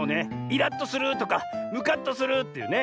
イラッとするとかムカッとするっていうね。